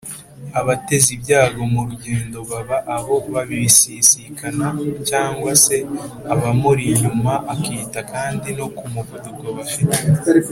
abateze ibyago murugendo baba abo babisisikana cg se abamuri nyuma akita kandi no kumuvuduko bafite